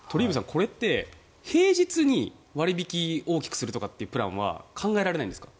これって平日に割引を大きくするというプランは考えられないんですか。